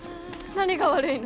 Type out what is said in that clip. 何が悪いの？